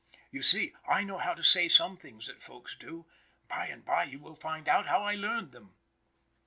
You see, I know how to say some things that Folks do; by and by you will find out how I learned them.